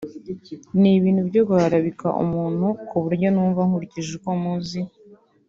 ni ibintu byo guharabika umuntu ku buryo numva nkurikije uko muzi